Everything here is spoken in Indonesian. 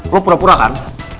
lo pura pura kan